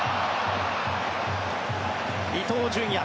伊東純也